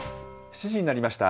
７時になりました。